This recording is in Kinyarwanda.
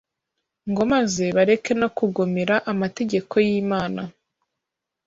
ngo maze bareke no kugomera amategeko y’Imana.